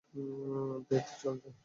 ধ্যাত, চল যাই।